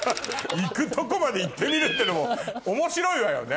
行くとこまで行ってみるってのも面白いわよね。